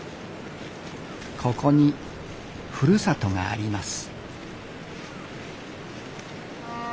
ここにふるさとがあります。